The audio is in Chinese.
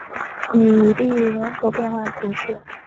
吕利人口变化图示